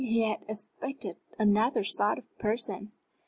He had expected another sort of person.